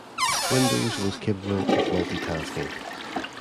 Windows was capable of multitasking.